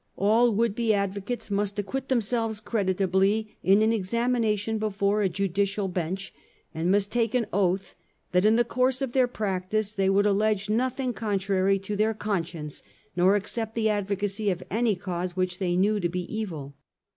All would be advocates must acquit themselves creditably in an exami nation before a Judicial Bench, and must take an oath that, in the course of their practice, they would allege nothing contrary to their conscience nor accept the advocacy of any cause which they knew to be evil.